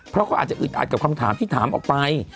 เพราะเขาอาจจะอึดอัดกับคำถามที่ถามออกไป